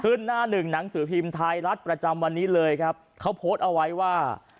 หน้าหนึ่งหนังสือพิมพ์ไทยรัฐประจำวันนี้เลยครับเขาโพสต์เอาไว้ว่า